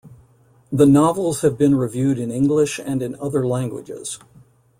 The novels have been reviewed in English and in other languages.